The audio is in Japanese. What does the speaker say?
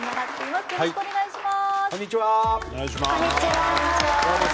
よろしくお願いします。